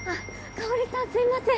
香さんすいません。